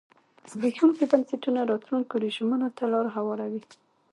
زبېښونکي بنسټونه راتلونکو رژیمونو ته لار هواروي.